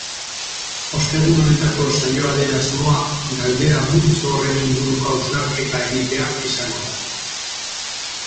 Ostegun honetako saioaren asmoa galdera multzo horren inguruko hausnarketa egitea izango da.